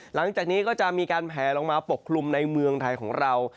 หลังจากนี้ก็จะมีการแผลลงมาปกคลุมในเมืองไทยของเรา